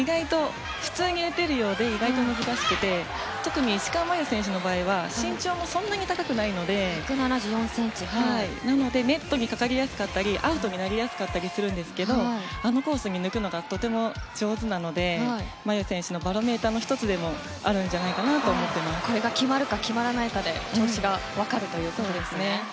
普通に打てるようで意外と難しくて特に石川真佑選手の場合は身長もそんなに高くないのでなのでネットにかかりやすかったりアウトになりやすかったりするんですけどあのコースに抜くのがとても上手なので真佑選手のバロメーターの１つでもこれが決まるか決まらないかで調子が分かるということですね。